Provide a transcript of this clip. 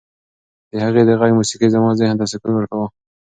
د هغې د غږ موسیقي زما ذهن ته سکون ورکاوه.